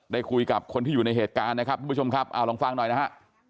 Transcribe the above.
ได้คุยกับคนที่อยู่ในเหตุการณ์นะครับทุกผู้ชมครับเอาลองฟังหน่อยนะฮะ